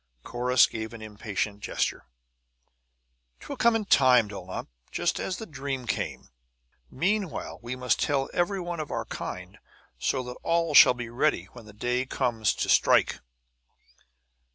Corrus gave an impatient gesture. "'Twill come in time, Dulnop, just as the dream came! Meanwhile we must tell every one of our kind, so that all shall be ready when the day comes to strike!